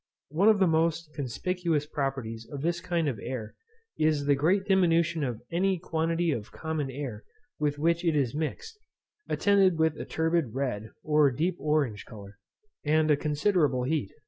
One of the most conspicuous properties of this kind of air is the great diminution of any quantity of common air with which it is mixed, attended with a turbid red, or deep orange colour, and a considerable heat.